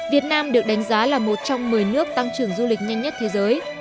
việt nam được đánh giá là một trong một mươi nước tăng trưởng du lịch nhanh nhất thế giới